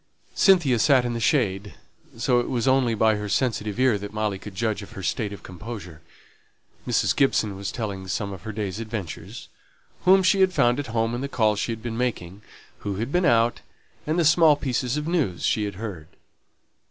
Cynthia sate in the shade, so it was only by her sensitive ear that Molly could judge of her state of composure. Mrs. Gibson was telling some of her day's adventures whom she had found at home in the calls she had been making; who had been out; and the small pieces of news she had heard.